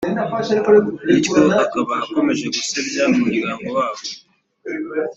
bityo akaba akomeza gusebya umuryango wabo